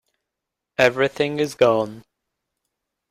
Everything is gone.